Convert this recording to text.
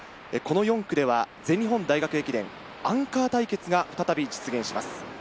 この４区では全日本大学駅伝アンカー対決が再び実現します。